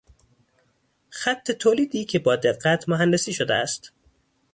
خط تولیدی که با دقت مهندسی شده است